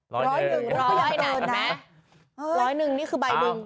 ร้อยหนึ่งร้อยย่อยหนึ่งร้อยหนึ่งนี่คือใบหนึ่ง